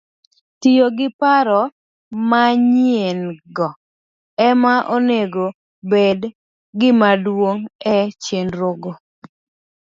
Tiyo gi paro manyien - go ema onego obed gimaduong ' e chenrogo